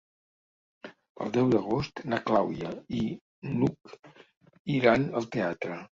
El deu d'agost na Clàudia i n'Hug iran al teatre.